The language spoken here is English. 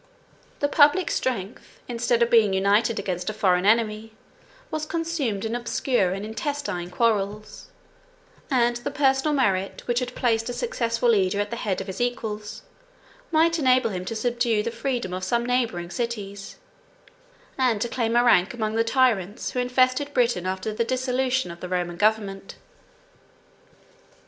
The public strength, instead of being united against a foreign enemy, was consumed in obscure and intestine quarrels; and the personal merit which had placed a successful leader at the head of his equals, might enable him to subdue the freedom of some neighboring cities; and to claim a rank among the tyrants, 186 who infested Britain after the dissolution of the Roman government.